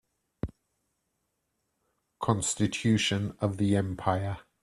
Constitution of the empire.